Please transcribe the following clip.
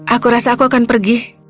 aku rasa aku akan pergi